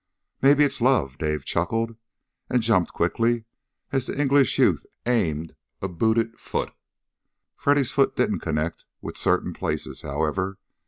"Maybe it's love," Dave chuckled, and jumped quickly as the English youth aimed a booted foot. Freddy's foot didn't connect with certain places, however.